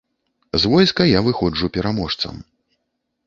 З войска я выходжу пераможцам.